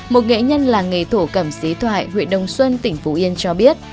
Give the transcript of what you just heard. một nghệ nhân làng nghề thổ cầm xì thoại huyện đồng xuân tỉnh phú yên cho biết